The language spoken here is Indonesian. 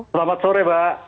selamat sore mbak